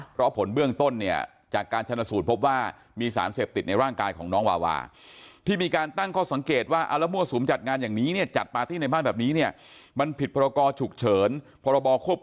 เพราะผลเบื้องต้นเนี่ยจากการชนสูตรพบว่ามีสารเสพติดในร่างกายของน้องวาวาที่มีการตั้งข้อสังเกตว่าเอาแล้วมั่วสุมจัดงานอย่างนี้เนี่ยจัดปาร์ตี้ในบ้านแบบนี้เนี่ยมันผิดพรกรฉุกเฉินพรบควบคุม